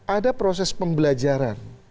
ada proses pembelajaran